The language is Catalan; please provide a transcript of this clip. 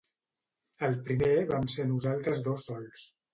El primer vam ser nosaltres dos sols.